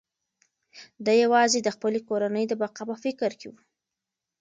دی یوازې د خپلې کورنۍ د بقا په فکر کې و.